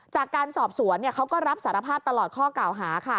จากการสอบสวนเขาก็รับสารภาพตลอดข้อกล่าวหาค่ะ